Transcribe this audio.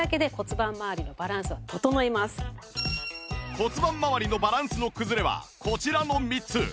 骨盤まわりのバランスの崩れはこちらの３つ